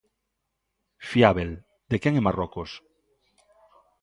Fiábel, de quen e Marrocos?